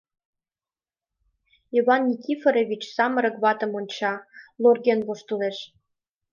Иван Никифорович самырык ватым онча, лорген воштылеш.